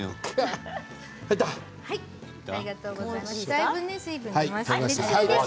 だいぶ水分が出ました。